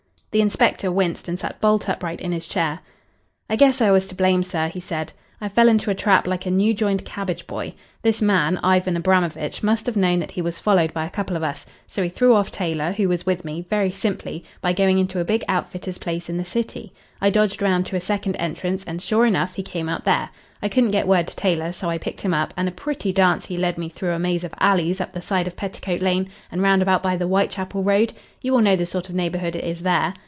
The inspector winced and sat bolt upright in his chair. "I guess I was to blame, sir," he said. "I fell into a trap like a new joined cabbage boy. This man, Ivan Abramovitch, must have known that he was followed by a couple of us, so he threw off Taylor, who was with me, very simply, by going into a big outfitter's place in the City. I dodged round to a second entrance and, sure enough, he came out there. I couldn't get word to Taylor, so I picked him up, and a pretty dance he led me through a maze of alleys up the side of Petticoat Lane and round about by the Whitechapel Road. You will know the sort of neighbourhood it is there.